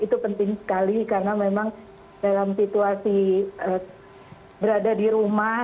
itu penting sekali karena memang dalam situasi berada di rumah